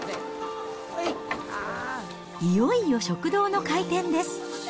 いよいよ食堂の開店です。